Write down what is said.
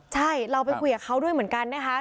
ใช่เราไปคุยกับเขาด้วยเหมือนกันนะคะ